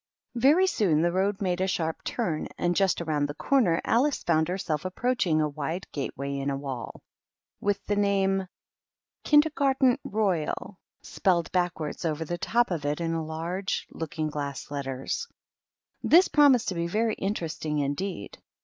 Very soon the road made a sharp turn, and just round the corner Alice found herself ap proaching a wide gate way in a wall, with the name M3THAOH3aMI>l JAYOJl over the top of it in large looking glass letters. This promised to be very interesting indeed.